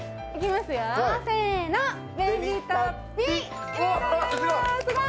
すごい！